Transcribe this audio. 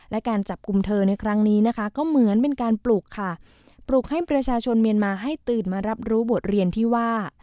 และการจับกลุ่มเธอในครั้งนี้นะคะก็เหมือนเป็นการปลุกค่ะปลุกให้ประชาชนเมียนมาให้ตื่นมารับรู้บทเรียนที่ว่า